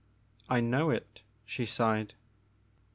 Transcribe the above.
I know it," she sighed.